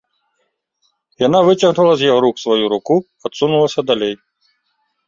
Яна выцягнула з яго рук сваю руку, адсунулася далей.